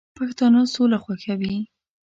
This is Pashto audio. پښتانه سوله خوښوي